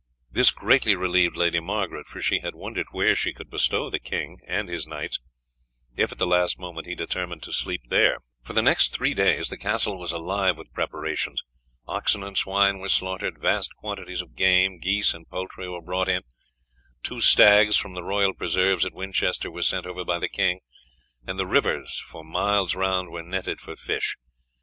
This greatly relieved Lady Margaret, for she had wondered where she could bestow the king and his knights if, at the last moment, he determined to sleep there. For the next three days the castle was alive with preparations. Oxen and swine were slaughtered, vast quantities of game, geese, and poultry were brought in, two stags from the royal preserves at Winchester were sent over by the king, and the rivers for miles round were netted for fish.